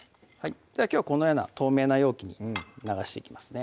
きょうはこのような透明な容器に流していきますね